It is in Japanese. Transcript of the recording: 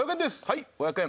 はい５００円。